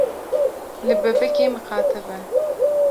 Li bebekê miqate be.